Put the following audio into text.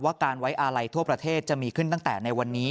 การไว้อาลัยทั่วประเทศจะมีขึ้นตั้งแต่ในวันนี้